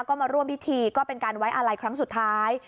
ก็มาร่วมพิธีก็เป็นการไว้อาลัยครั้งสุดท้าย